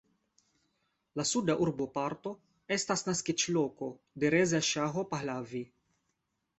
La suda urboparto estas naskiĝloko de Reza Ŝaho Pahlavi.